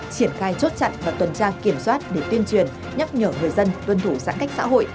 triển khai chốt chặn và tuần tra kiểm soát để tuyên truyền nhắc nhở người dân tuân thủ giãn cách xã hội